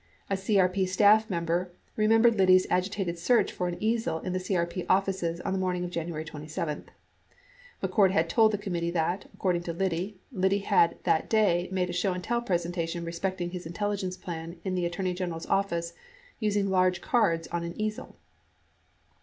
A CRP staff member remembered Liddy 's agitated search for an easel in the CRP offices on the morning of January 27. (McCord had told the committee that, according to Liddy, Liddy had that day made a show and tell presentation respecting his intelligence plan in the At torney General's office using large cards on an easel.)